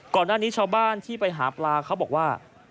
ก่อนหน้านี้ชาวบ้านที่ไปหาปลาเขาบอกว่า